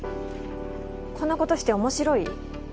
こんなことして面白い？